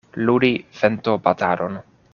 Ludi ventobatadon.